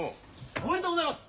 おめでとうございます。